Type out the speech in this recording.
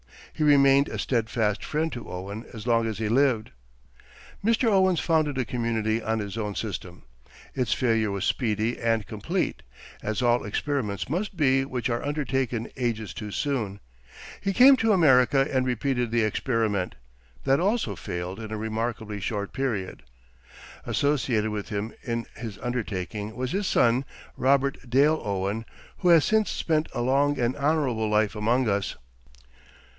He remained a steadfast friend to Owen as long as he lived. Mr. Owen founded a community on his own system. Its failure was speedy and complete, as all experiments must be which are undertaken ages too soon. He came to America and repeated the experiment. That also failed in a remarkably short period. Associated with him in this undertaking was his son, Robert Dale Owen, who has since spent a long and honorable life among us.